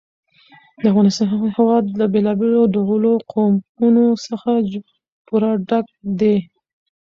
د افغانستان هېواد له بېلابېلو ډولو قومونه څخه پوره ډک دی.